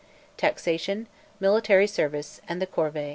taxation, military service, and the corvée.